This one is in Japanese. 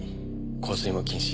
香水も禁止。